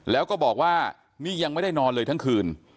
แล้วก็บอกว่านี่ยังไม่ได้นอนเลยทั้งคืน